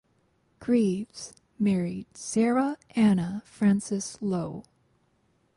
Greaves married Sarah Anna Frances Lowe.